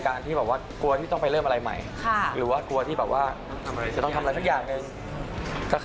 การทำงานของเราเป็นอย่างไรบ้างนะ